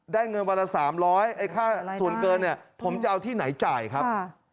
เงินวันละ๓๐๐ไอ้ค่าส่วนเกินเนี่ยผมจะเอาที่ไหนจ่ายครับ